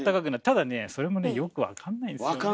ただねそれもねよく分かんないんですよね。